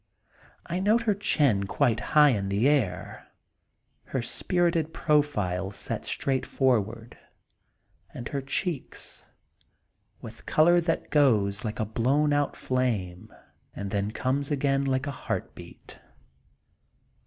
I note her chin quite high in the air, her spirited profile set straight forward, and her y cheeks, with color that goes like a blown out flame and then comes again like a heart beat.